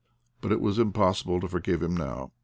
But it was impossible to forgive him now.